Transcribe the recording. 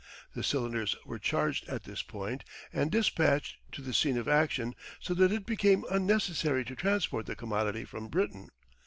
The cylinders were charged at this point and dispatched to the scene of action, so that it became unnecessary to transport the commodity from Britain.